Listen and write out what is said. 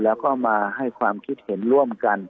แล้วก็มาให้ความคิดเห็นร่วมกัน